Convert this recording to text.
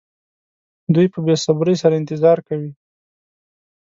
دوی په بې صبرۍ سره انتظار کوي.